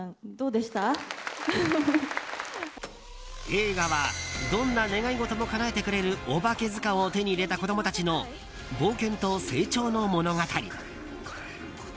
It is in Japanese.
映画はどんな願い事もかなえてくれる「おばけずかん」を手に入れた子供たちの冒険と成長の物語。